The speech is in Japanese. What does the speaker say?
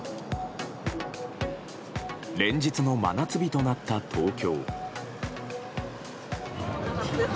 連日の真夏日となった東京。